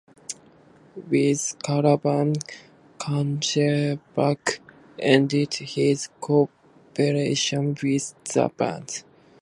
With "Karavan" Kanjevac ended his cooperation with the band.